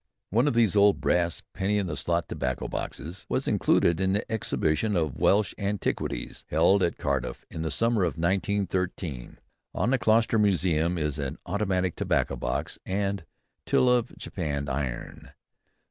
_ One of these old brass penny in the slot tobacco boxes was included in the exhibition of Welsh Antiquities held at Cardiff in the summer of 1913. In the Colchester Museum is an automatic tobacco box and till of japanned iron.